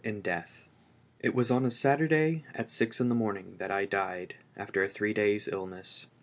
I T was on a Saturday, at six in the morning, that I died, after a three days' illness.